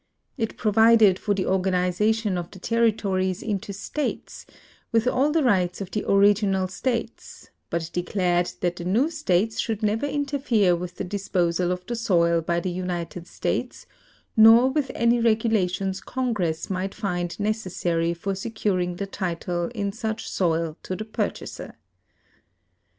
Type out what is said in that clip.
It i^ro vided for the organization of the territories into states, with all the rights of the original states, but declared that the new states should never interfere with the disposal of the soil b}'' the United States, nor with any regulations Congress might find necessary for securing the title in such soil to the purchaser.